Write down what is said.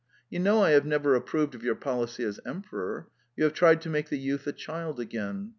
You know I have never approved of your policy as emperor. You have tried to make the youth a child again.